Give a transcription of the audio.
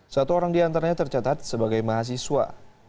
satu orang diantaranya tercatat sebagai mahasiswa